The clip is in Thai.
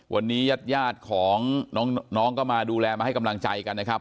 วันนี้ญาติยาดของน้องก็มาดูแลมาให้กำลังใจกันนะครับ